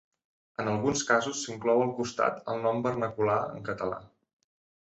En alguns casos s'inclou al costat el nom vernacular en català.